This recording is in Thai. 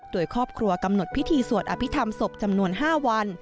โดยครอบครัวกำหนดพิธีสวดอภิษฐรรมศพจำนวน๕วัน